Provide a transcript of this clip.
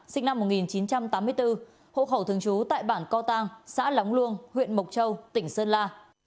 sinh năm một nghìn chín trăm tám mươi bốn hộ khẩu thường trú tại bản co tăng xã lóng luông huyện mộc châu tỉnh sơn la